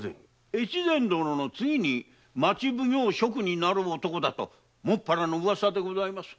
大岡殿の次に町奉行職になる男だと専らのウワサでございます。